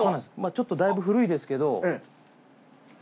ちょっとだいぶ古いですけど。